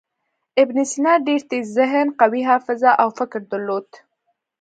ابن سینا ډېر تېز ذهن، قوي حافظه او فکر درلود.